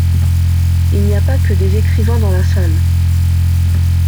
Il n’y a pas que des écrivains dans la salle.